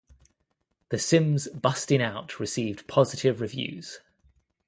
"The Sims Bustin' Out" received positive reviews.